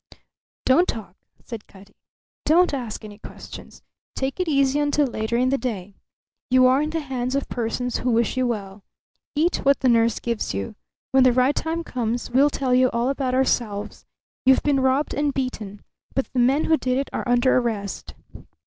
"Don't talk," said Cutty. "Don't ask any questions. Take it easy until later in the day. You are in the hands of persons who wish you well. Eat what the nurse gives you. When the right time comes we'll tell you all about ourselves, You've been robbed and beaten. But the men who did it are under arrest."